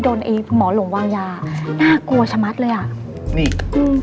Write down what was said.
ไอ้หมอหลงวางยาน่ากลัวชะมัดเลยอ่ะนี่อืม